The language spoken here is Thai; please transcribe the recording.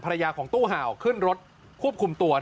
รยาของตู้ห่าวขึ้นรถควบคุมตัว